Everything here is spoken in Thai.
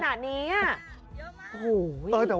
คนบนสตร์ทีเองก็คือเยอะมาก